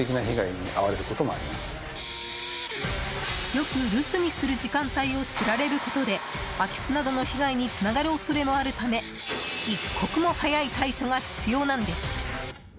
よく留守にする時間帯を知られることで空き巣などの被害につながる恐れもあるため一刻も早い対処が必要なんです。